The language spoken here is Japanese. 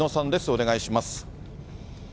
お願いします。